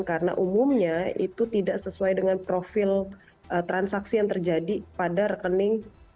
karena umumnya itu tidak sesuai dengan profil transaksi yang terjadi pada rekening